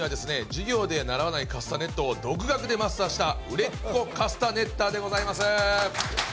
授業では習わないカスタネットを独学でマスターした売れっ子カスタネッターでございます。